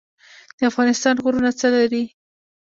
د افغانستان غرونه څه لري؟